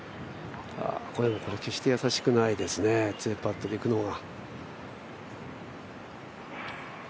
決してやさしくないですね、強いパットでいくのは。